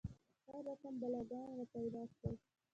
هر رقم بلاګان را پیدا شول.